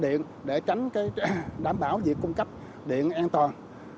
để đảm bảo việc cung cấp điện an toàn